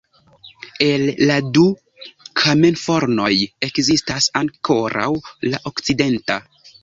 El la du kamenfornoj ekzistas ankoraŭ la okcidenta.